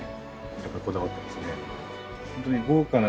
やっぱりこだわってますね